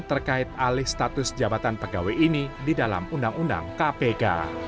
terkait alih status jabatan pegawai ini di dalam undang undang kpk